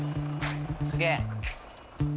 すげえ